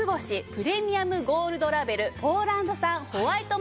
プレミアムゴールドラベルポーランド産ホワイトマザーグースダウン